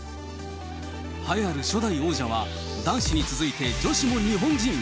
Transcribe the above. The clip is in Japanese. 栄えある初代王者は、男子に続いて女子も日本人。